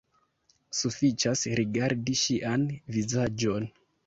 Sufiĉas rigardi ŝian vizaĝon.